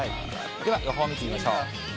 では予報を見てみましょう。